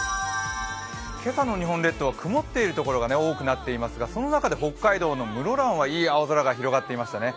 今朝の日本列島は曇っているところが多くなっていますが、その中で北海道の室蘭はいい青空が広がっていましたね。